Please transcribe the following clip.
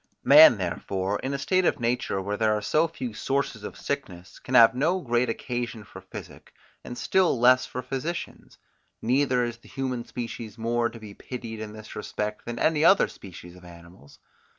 Man therefore, in a state of nature where there are so few sources of sickness, can have no great occasion for physic, and still less for physicians; neither is the human species more to be pitied in this respect, than any other species of animals.